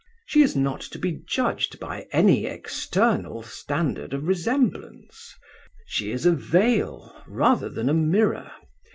She is not to be judged by any external standard of resemblance. She is a veil, rather than a mirror.